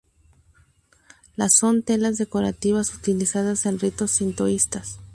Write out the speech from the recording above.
Las son telas decorativas utilizadas en ritos sintoístas.